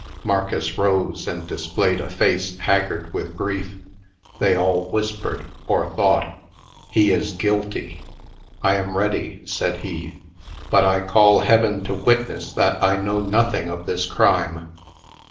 Marcus rose, and displayed a face haggard with grief. They all whispered, or thought, "He is guilty." "I am ready," said he; "but I call heaven to witness that I know nothing of this crime."